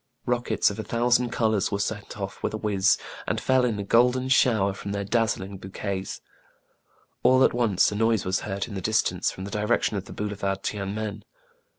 Rockets of a thousand colors were sent off with a whizz, and fell in a golden shower from their dazzling bou quets. All at once a noise was heard in the distance, from the direction of the boulevard Tiene Men.